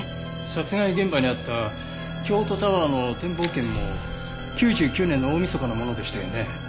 殺害現場にあった京都タワーの展望券も９９年の大みそかのものでしたよね。